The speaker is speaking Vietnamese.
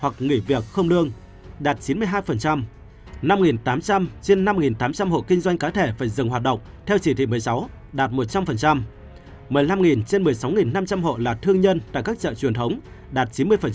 một mươi năm trên một mươi sáu năm trăm linh hộ là thương nhân tại các chợ truyền thống đạt chín mươi